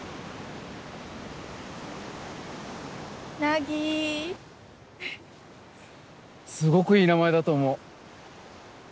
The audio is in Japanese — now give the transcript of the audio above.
凪すごくいい名前だと思う